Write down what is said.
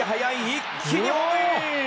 一気にホームイン！